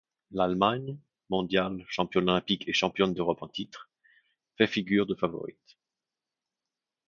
L'Allemagne, mondiale, championne olympique et championne d'Europe en titre, fait figure de favorite.